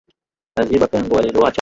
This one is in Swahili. Naziba pengo alilowacha